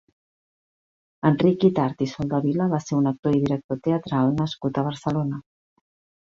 Enric Guitart i Soldevila va ser un actor i director teatral nascut a Barcelona.